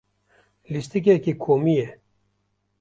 Lîstikeke komî ye.